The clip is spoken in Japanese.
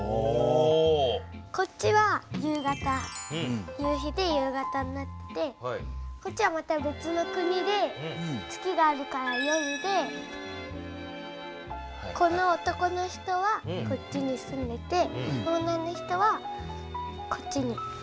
こっちは夕日で夕方になってこっちはまた別の国で月があるから夜でこの男の人はこっちに住んでてこの女の人はこっちに住んでて。